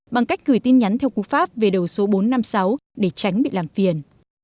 bằng cách gửi tin nhắn theo quốc pháp về đầu số bốn trăm năm mươi sáu để tránh bị làm phiền